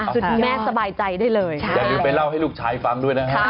คุณแม่สบายใจได้เลยอย่าลืมไปเล่าให้ลูกชายฟังด้วยนะฮะ